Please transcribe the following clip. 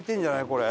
これ。